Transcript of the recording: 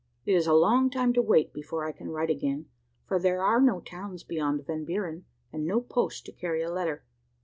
It is a long time to wait before I can write again, for there are no towns beyond Van Buren, and no post to carry a letter.